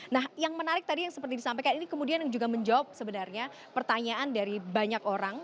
nah yang menarik tadi yang seperti disampaikan ini kemudian yang juga menjawab sebenarnya pertanyaan dari banyak orang